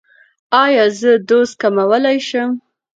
ایا زه دوز کمولی شم؟